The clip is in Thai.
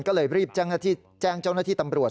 ก็เลยรีบแจ้งเจ้าหน้าที่ตำรวจ